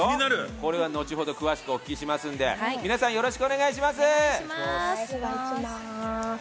これは後ほど詳しくお聞きしますので、皆さん、よろしくお願いします。